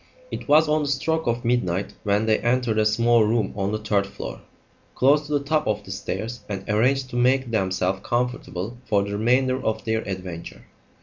It was on the stroke of midnight when they entered a small room on the third floor, close to the top of the stairs, and arranged to make themselves comfortable for the remainder of their adventure.